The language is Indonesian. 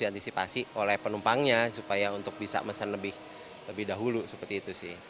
diantisipasi oleh penumpangnya supaya untuk bisa mesen lebih dahulu seperti itu sih